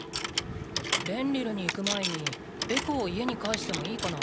レンリルに行く前にエコを家に帰してもいいかな？